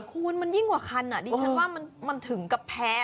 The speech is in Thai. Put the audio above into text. คุณมันยิ่งกว่าคันดิฉันว่ามันถึงกับแพ้